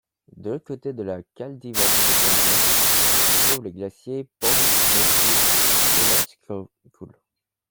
De l'autre côté de la Kaldidalsvegur se trouvent les glaciers Þórisjökull et Langjökull.